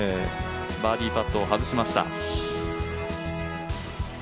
バーディーパットを外しました。